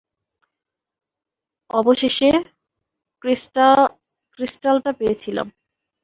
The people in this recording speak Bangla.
অবশেষে ক্রিস্টালটা পেয়েছিলাম।